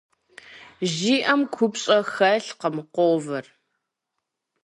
Жиӏэм купщӏэ хэлъкъым, къовэр.